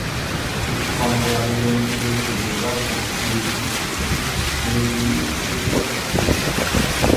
Ils se trouvent entre la région historique de Basse-Silésie et le pays de Kłodzko.